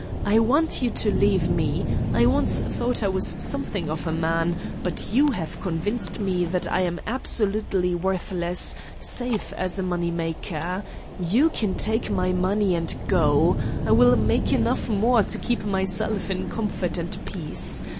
I want you to leave me. I once thought I was something of a man, but you have convinced me that I am absolutely worthless, save as a money maker. You can take my money and go. I will make enough more to keep myself in comfort and peace.